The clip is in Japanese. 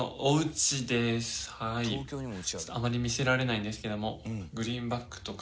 ちょっとあまり見せられないんですけどもグリーンバックとか。